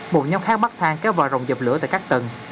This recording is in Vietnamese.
một nhóm khác bắt thang kéo vào rộng dập lửa tại các tầng